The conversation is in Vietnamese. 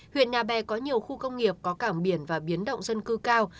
huyện nhà bè có nhiều khu công nghiệp có cảng biển và biến động dân cư cao